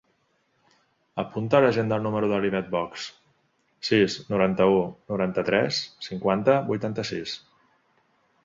Apunta a l'agenda el número de l'Ivet Box: sis, noranta-u, noranta-tres, cinquanta, vuitanta-sis.